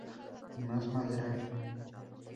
Más Madera!